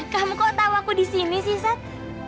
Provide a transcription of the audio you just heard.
kamu kok tau aku disini sih sat